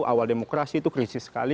awal demokrasi itu krisis sekali